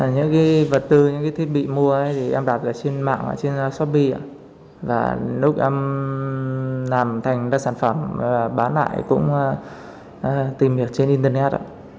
những vật tư những thiết bị mua em đặt trên mạng trên shopee lúc em làm thành đất sản phẩm bán lại cũng tìm hiểu trên internet